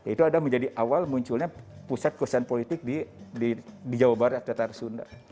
itu ada menjadi awal munculnya pusat kekuasaan politik di jawa barat atletar sunda